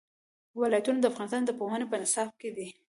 ولایتونه د افغانستان د پوهنې په نصاب کې دي.